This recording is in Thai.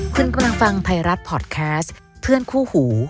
คุณกำลังฟังไทยรัฐพอร์ตแคสต์เพื่อนคู่หู